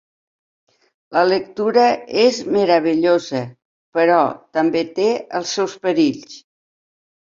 La lectura és meravellosa, però també té els seus perills!